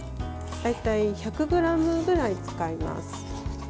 大体１００ｇぐらい使います。